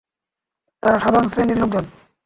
তারা সাধারণ শ্রেনীর লোকজন।